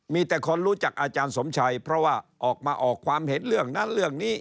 มีแต่คนรู้จักอาจารย์สมชัยเพราะว่าออกมาออกความเห็นเรื่องนั้นเรื่องนี้